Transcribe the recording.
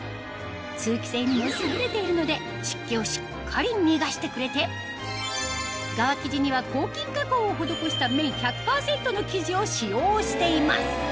通気性にも優れているので湿気をしっかり逃がしてくれて側生地には抗菌加工を施した綿１００％の生地を使用しています